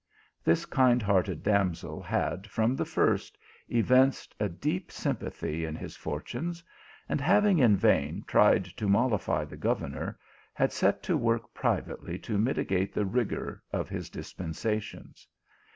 This kind hearted damsel had, from the first, evinced a deep sympathy in his fortunes, and having in vain tried to mollify the governor, had set to work privately to mitigate the rigour of his dis pensations.